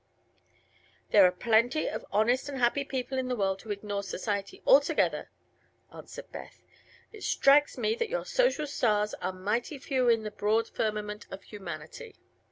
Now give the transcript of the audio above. "There are plenty of honest and happy people in the world who ignore society altogether," answered Beth. "It strikes me that your social stars are mighty few in the broad firmament of humanity."